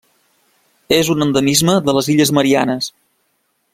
És un endemisme de les Illes Mariannes.